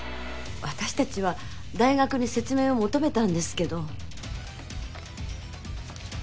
私たちは大学に説明を求めたんですけど。